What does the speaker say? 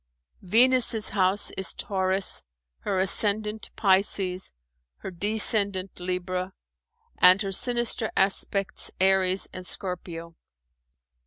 Venus's house is Taurus, her ascendant Pisces, her descendant Libra, and her sinister aspects Aries and Scorpio.